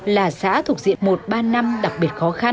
là xã thuộc diện một ba năm đặc biệt khó khăn